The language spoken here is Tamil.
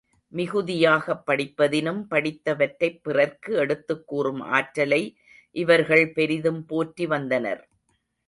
மிகுதியாகப் படிப்பதினும் படித்தவற்றைப் பிறர்க்கு எடுத்துக் கூறும் ஆற்றலை இவர்கள் பெரிதும் போற்றி வந்தனர்.